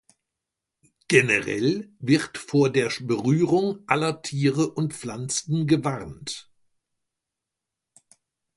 Generell wird vor der Berührung aller Tiere und Pflanzen gewarnt.